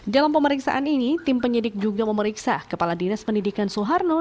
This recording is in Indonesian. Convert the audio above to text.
dalam pemeriksaan ini tim penyidik juga memeriksa kepala dinas pendidikan suharno